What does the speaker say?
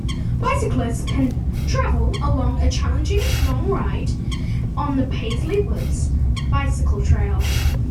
Bicyclists can travel along a challenging long ride on the Paisley Woods Bicycle Trail.